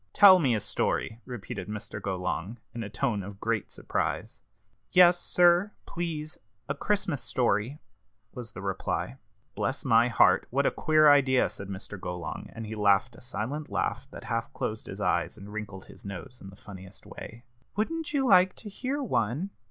"Tell me a story!" repeated Mr. Golong, in a tone of great surprise. "Yes, sir, please a Christmas story," was the reply. "Bless my heart! what a queer idea!" said Mr. Golong, and he laughed a silent laugh that half closed his eyes and wrinkled his nose in the funniest way. "Wouldn't you like to hear one?"